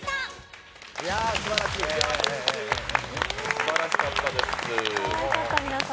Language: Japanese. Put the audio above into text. すばらしかったです。